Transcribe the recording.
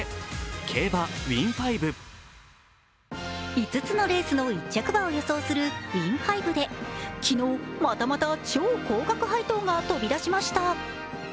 ５つのレースの１着馬を予想するＷＩＮ５で昨日、またまた超高額配当が飛び出しました。